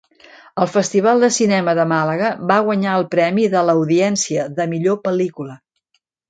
Al Festival de Cinema de Màlaga va guanyar el premi de l'audiència de millor pel·lícula.